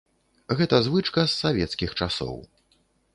Гэта звычка з савецкіх часоў.